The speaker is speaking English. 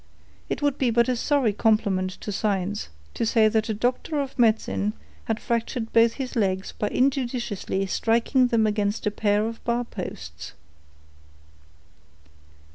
It would be but a sorry compliment to science, to say that a doctor of medicine had fractured both his legs by injudiciously striking them against a pair of barposts."